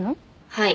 はい。